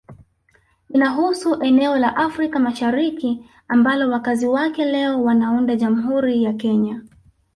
Inahusu eneo la Afrika Mashariki ambalo wakazi wake leo wanaunda Jamhuri ya Kenya